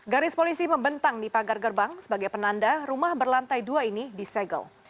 garis polisi membentang di pagar gerbang sebagai penanda rumah berlantai dua ini disegel